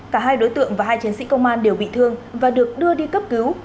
cả hai đối tượng và hai chiến sĩ công an đều bị thương và được đưa đi cấp cứu